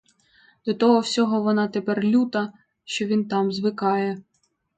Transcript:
До того всього вона тепер люта, що він там звикає.